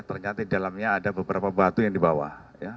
ternyata di dalamnya ada beberapa batu yang di bawah